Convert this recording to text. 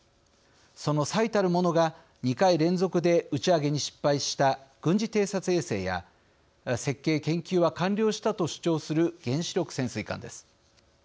その最たるものが２回連続で打ち上げに失敗した軍事偵察衛星や設計・研究は完了したと主張する原子力潜水艦です。